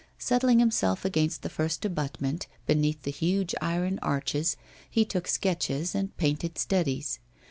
Settling himself against the first abutment, beneath the huge iron arches, he took sketches and painted studies.